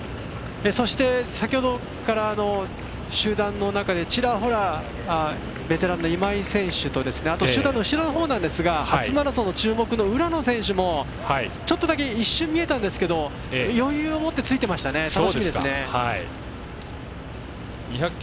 そして、先ほどから集団の中でちらほら、ベテランの今井選手と集団の後ろのほうですが初マラソンの注目の浦野選手もちょっとだけ一瞬見えたんですけど余裕を持ってついてましたね。